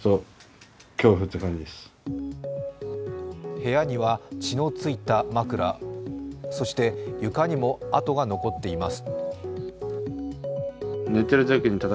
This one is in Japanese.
部屋には血のついた枕、そして床にも跡が残っています。